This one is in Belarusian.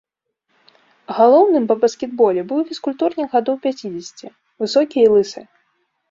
Галоўным па баскетболе быў фізкультурнік гадоў пяцідзесяці, высокі і лысы.